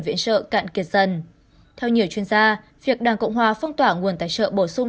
viện trợ cạn kiệt dần theo nhiều chuyên gia việc đảng cộng hòa phong tỏa nguồn tài trợ bổ sung